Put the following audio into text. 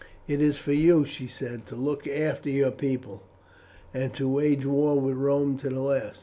"It is for you," she said, "to look after your people, and to wage war with Rome to the last.